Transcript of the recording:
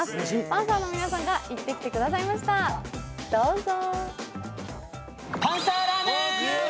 パンサーの皆さんが行ってきてくださいました、どうぞ！